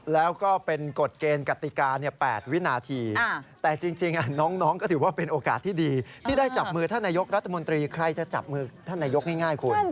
แล้วก็เป็นกฎเกณฑ์กติกา๘วินาทีแต่จริงน้องก็ถือว่าเป็นโอกาสที่ดีที่ได้จับมือท่านนายกรัฐมนตรีใครจะจับมือท่านนายกง่ายคุณ